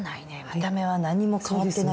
見た目は何も変わってないですよ。